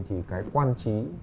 thì cái quan chí